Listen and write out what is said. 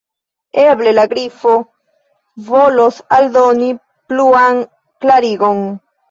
Eble la Grifo volos aldoni pluan klarigon.